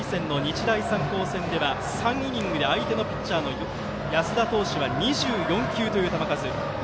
３回戦の日大三高戦では３イニングで相手のピッチャーの安田投手は、２４球という球数。